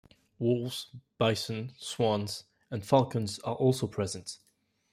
Wolves, bison, swans, and falcons are also present.